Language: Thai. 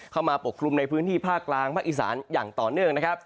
เข้ามาปกครุมในพื้นที่ภาคกลางภาคอีสานอย่างต่อเนื่อง